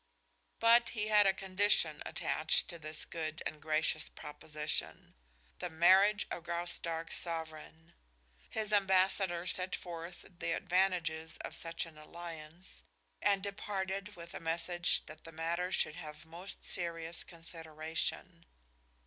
But he had a condition attached to this good and gracious proposition; the marriage of Graustark's sovereign. His ambassador set forth the advantages of such an alliance, and departed with a message that the matter should have most serious consideration.